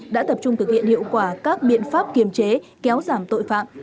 đã tập trung thực hiện hiệu quả các biện pháp kiềm chế kéo giảm tội phạm